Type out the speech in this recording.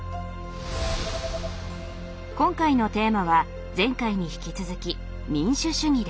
今回のテーマは前回に引き続き「民主主義」です。